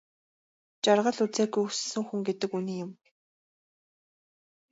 Жаргал үзээгүй өссөн хүн гэдэг үнэн юм.